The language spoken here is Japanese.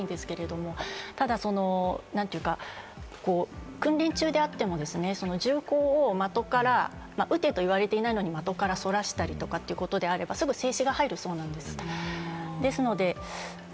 情報が出てきていないのでわからないですけれども、訓練中であっても銃口を的から撃てと言われていないのに的からそらしたりということであれば、すぐ制止が入るそうなんです。